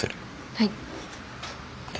はい。